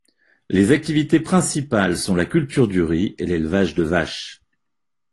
Les activités principales sont la culture du riz et l'élevage de vaches.